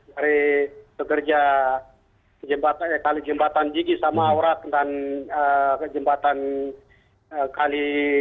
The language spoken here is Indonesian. dari pekerja kali jembatan jigi sama aurak dan jembatan kali